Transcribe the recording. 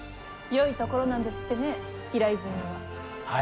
よい所なんですってね平泉は。